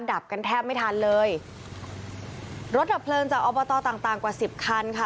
ดับกันแทบไม่ทันเลยรถดับเพลินจากออปเวอร์ตอต่างกว่า๑๐คันค่ะ